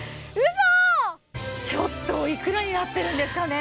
ちょっといくらになってるんですかね。